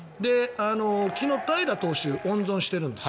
昨日、平良投手を温存してるんです。